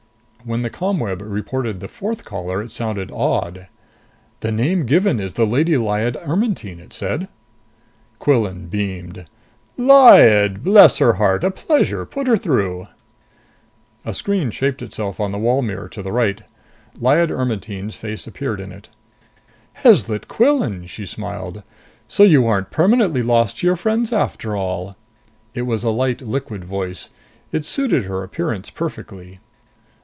When the ComWeb reported the fourth caller, it sounded awed. "The name given is the Lady Lyad Ermetyne!" it said. Quillan beamed. "Lyad? Bless her heart! A pleasure. Put her through." A screen shaped itself on the wall mirror to the right. Lyad Ermetyne's face appeared in it. "Heslet Quillan!" She smiled. "So you aren't permanently lost to your friends, after all!" It was a light, liquid voice. It suited her appearance perfectly.